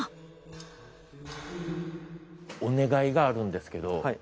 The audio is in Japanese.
お願いがあるんですけど。